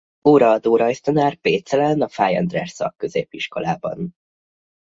Óraadó rajztanár Pécelen a Fay András Szakközépiskolában.